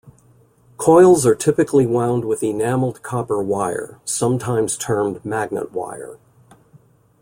Coils are typically wound with enamelled copper wire, sometimes termed magnet wire.